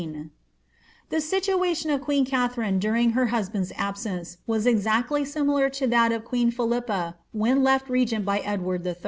^ The situation of queen Katharine during her husband's absence was exactly similar to that of queen Philippe when left regent by Edward IH.